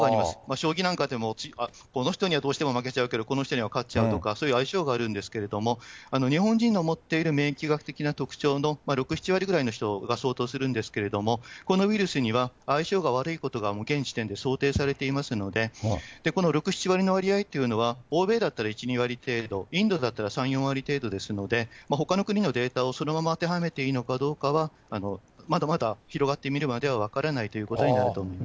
将棋なんかでもこの人にはどうしても負けちゃうけれども、この人には勝っちゃうとか、そういう相性があるんですけれども、日本人の持っている免疫学的な特徴の６、７割ぐらいの人が相当するんですけれども、このウイルスには相性が悪いことが現時点で想定されていますので、この６、７割の割合というのは欧米だったら１、２割程度、インドだったら３、４割程度ですので、ほかの国のデータをそのまま当てはめていいのかどうかは、まだまだ広がってみるまでは分からないということになると思います。